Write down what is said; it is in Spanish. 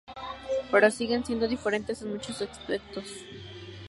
Pero siguen siendo diferentes en muchos aspectos.